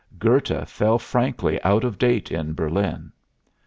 Goethe fell frankly out of date in Berlin.